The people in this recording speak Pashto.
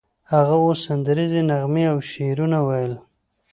هغه اوس سندریزې نغمې او شعرونه ویل